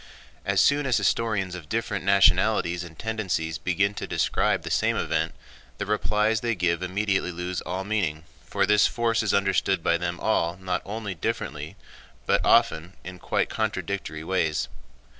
As soon as historians of different nationalities and tendencies begin to describe the same event, the replies they give immediately lose all meaning, for this force is understood by them all not only differently but often in quite contradictory ways.